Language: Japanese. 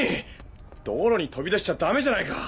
道路に飛び出しちゃダメじゃないか。